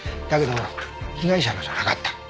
だけど被害者のじゃなかった。